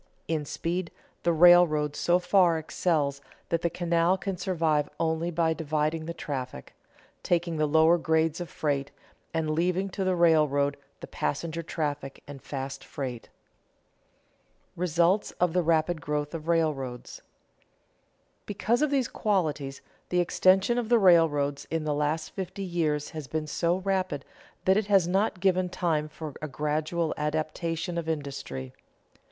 In speed, the railroad so far excels that the canal can survive only by dividing the traffic, taking the lower grades of freight, and leaving to the railroad the passenger traffic and fast freight. [Sidenote: Results of the rapid growth of railroads] Because of these qualities, the extension of the railroads in the last fifty years has been so rapid that it has not given time for a gradual adaptation of industry.